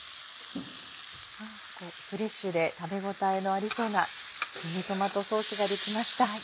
フレッシュで食べ応えのありそうなミニトマトソースができました。